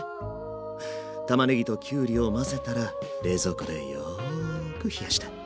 たまねぎときゅうりを混ぜたら冷蔵庫でよく冷やして。